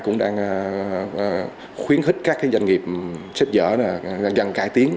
cũng đang khuyến khích các doanh nghiệp xếp dở dần cải tiến